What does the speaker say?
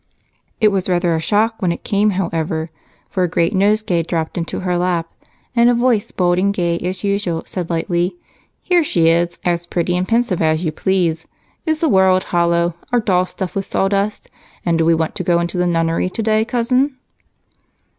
It was rather a shock when it came, however, for a great nosegay dropped into her lap and a voice, bold and gay as usual, said lightly: "Here she is, as pretty and pensive as you please. Is the world hollow, our doll stuffed with sawdust, and do we want to go into a nunnery today, Cousin?"